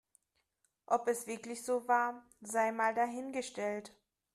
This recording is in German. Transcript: Ob es wirklich so war, sei mal dahingestellt.